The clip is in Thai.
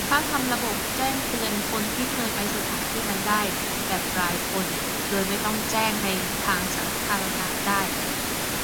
ถ้าทำระบบแจ้งเตือนคนที่เคยไปสถานที่นั้นได้ แบบรายคน โดยไม่ต้องแจ้งในทางสาธารณะได้